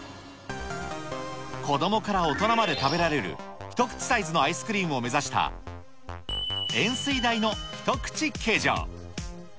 子どもから大人まで食べられる、一口サイズのアイスクリームを目指した、円すいだいの一口形状。